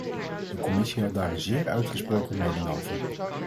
De commissie had daar een zeer uitgesproken mening over.